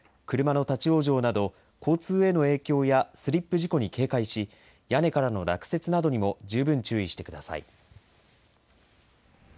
車の立往生など交通への影響やスリップ事故に警戒し屋根からの落雪などにも十分注意してください。